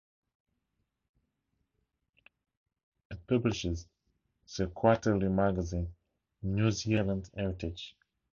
It publishes the quarterly magazine "New Zealand Heritage".